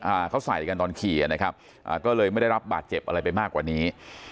อ่าเขาใส่กันตอนขี่อ่ะนะครับอ่าก็เลยไม่ได้รับบาดเจ็บอะไรไปมากกว่านี้